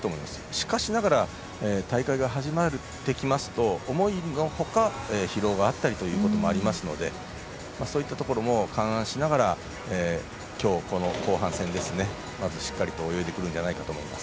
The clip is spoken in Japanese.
しかしながら大会が始まってきますと思いのほか疲労があったりということもありますのでそういったところも勘案しながら今日、この後半戦ですねまずしっかりと泳いでくるんじゃないかと思います。